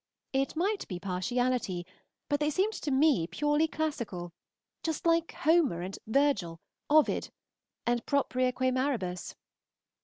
It might be partiality, but they seemed to me purely classical, just like Homer and Virgil, Ovid and Propria que Maribus.